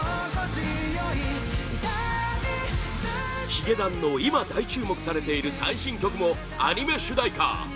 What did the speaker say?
ヒゲダンの今大注目されている最新曲もアニメ主題歌